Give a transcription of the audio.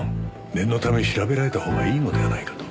念のため調べられたほうがいいのではないかと。